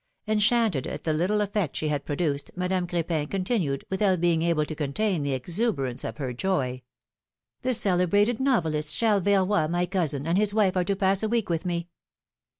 Enchanted at the little effect she had pro duced, Madame Cr^pin continued, without being able to contain the exuberance of her joy : ^'The celebrated novelist, Charles Verroy, my cousin, and his wife are to pass a week with me.